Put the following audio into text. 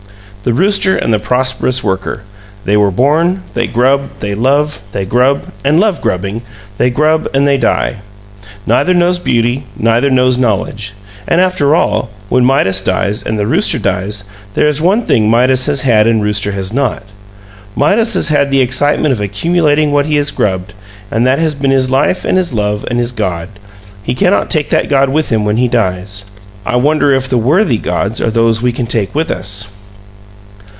The rooster and the prosperous worker: they are born, they grub, they love; they grub and love grubbing; they grub and they die. Neither knows beauty; neither knows knowledge. And after all, when Midas dies and the rooster dies, there is one thing Midas has had and rooster has not. Midas has had the excitement of accumulating what he has grubbed, and that has been his life and his love and his god. He cannot take that god with him when he dies. I wonder if the worthy gods are those we can take with us.